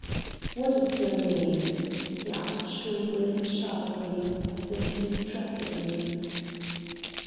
"What is your name?" he asked shortly and sharply, as if he distrusted me.